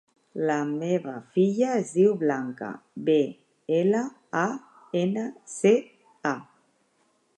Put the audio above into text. La meva filla es diu Blanca: be, ela, a, ena, ce, a.